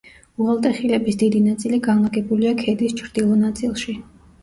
უღელტეხილების დიდი ნაწილი განლაგებულია ქედის ჩრდილო ნაწილში.